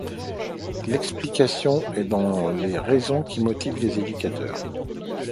L’explication est dans les raisons qui motivent les éducateurs.